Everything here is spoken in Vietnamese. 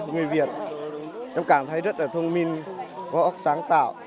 người việt em cảm thấy rất là thông minh có ốc sáng tạo